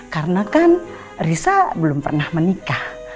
karena kan risa belum pernah menikah